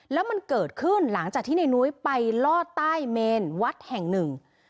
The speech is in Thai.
แล้วมันเกิดขึ้นหลังจากที่ในนุ้ยไปลอดใต้เมนวัดแห่งหนึ่ง